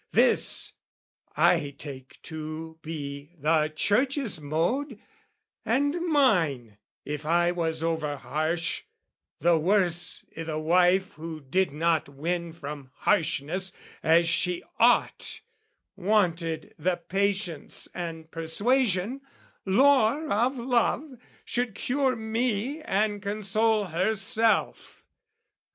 This I take to be the Church's mode, and mine, If I was over harsh, the worse i' the wife Who did not win from harshness as she ought, Wanted the patience and persuasion, lore Of love, should cure me and console herself.